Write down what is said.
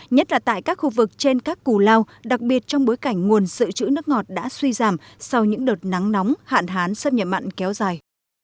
nhất là tại các khu vực trên các cù lao đặc biệt trong bối cảnh nguồn sự chữ nước ngọt đã suy giảm sau những đợt nắng nóng hạn hán xâm nhập mặn kéo dài